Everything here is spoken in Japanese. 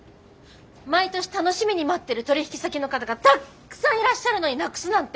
毎年楽しみに待ってる取引先の方がたっくさんいらっしゃるのになくすなんて。